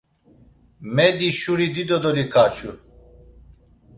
Mediş şuri dido dolikaçu.